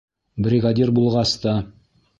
Бригадир булғас та.